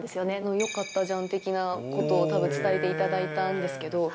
よかったじゃん的なことをたぶん、伝えていただいたんですけど。